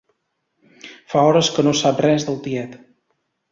Fa hores que no sap res del tiet.